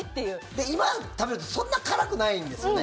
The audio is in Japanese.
で、今食べるとそんな辛くないんですよね。